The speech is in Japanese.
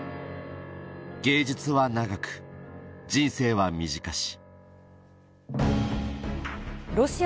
芸術は長く、人生は短し。